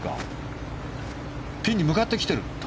ピンに向かってきている。